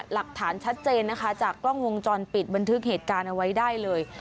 หลักฐานชัดเจนนะคะจากกล้องวงจรปิดบันทึกเหตุการณ์เอาไว้ได้เลย